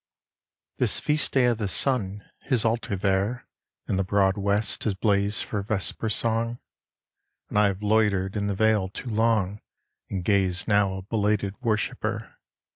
This feast day of the sun, his altar there In the broad west has blazed for vesper song; And I have loitered in the vale too long And gaze now a belated worshipper.